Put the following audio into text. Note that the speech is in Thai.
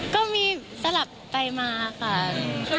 ก็มีสลับไปมาค่ะ